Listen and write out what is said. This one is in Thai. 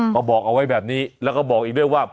เออมาบอกเอาไว้แบบนี้และก็บอกอีกเรื่องว่า